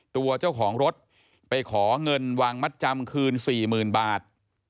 ตัวเจ้าของรถไปขอเงินวางมัดจำคืนสี่หมื่นบาท